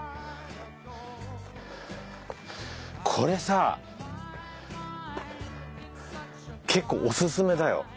これさ結構おすすめだよ